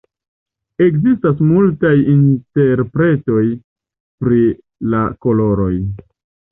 Ekzistas multaj interpretoj pri la koloroj.